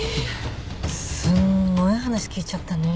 すんごい話聞いちゃったね。